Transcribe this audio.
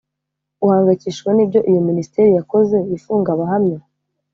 uhangayikishijwe n ibyo iyo minisiteri yakoze ifunga abahamya